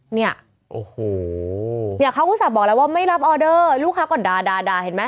เนี่ยเขาก็จะบอกแล้วว่าไม่รับออเดอร์ลูกค้าก่อนด่าเห็นไหม